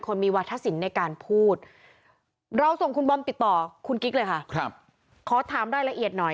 คุณบอมปิดต่อคุณกิ๊กเลยค่ะขอถามรายละเอียดหน่อย